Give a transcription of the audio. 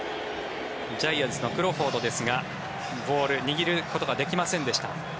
ジャイアンツのクロフォードですがボールを握ることができませんでした。